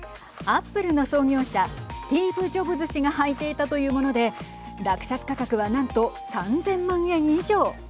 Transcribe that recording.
アップルの創業者スティーブ・ジョブズ氏が履いていたというもので落札価格はなんと３０００万円以上。